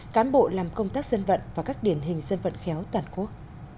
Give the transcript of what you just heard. cán bộ làm công tác dân vận và các điển hình dân vận khéo toàn quốc